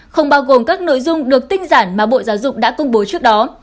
không bao gồm các nội dung được tinh giản mà bộ giáo dục đã công bố trước đó